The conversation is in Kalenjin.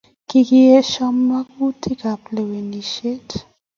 kikiyesho mangutik ab lewenishet